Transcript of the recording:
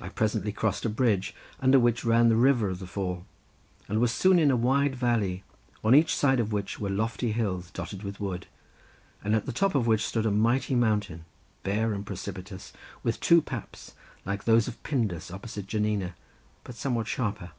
I presently crossed a bridge under which ran the river of the fall, and was soon in a wide valley on each side of which were lofty hills dotted with wood, and at the top of which stood a mighty mountain, bare and precipitous with two paps like those of Pindus opposite Janina, but somewhat sharper.